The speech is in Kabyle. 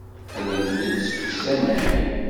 Qqlent-d seg usanay.